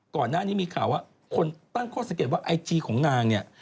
ก่อนหน้านี้มีข่าวว่าคนตั้งข้อสังเกตว่าไอจีของนางเนี่ย